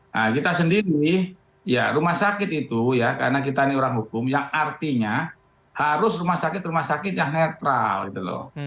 nah kita sendiri ya rumah sakit itu ya karena kita ini orang hukum yang artinya harus rumah sakit rumah sakit yang netral gitu loh